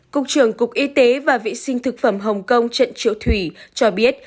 cục trưởng cục y tế và vệ sinh thực phẩm hồng kông trận triệu thủy cho biết